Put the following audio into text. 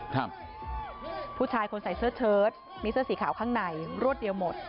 ครับผู้ชายคนใส่เสื้อเชิดมีเสื้อสีขาวข้างในรวดเดียวหมด